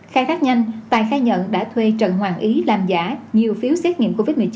khai thác nhanh tài khai nhận đã thuê trần hoàng ý làm giả nhiều phiếu xét nghiệm covid một mươi chín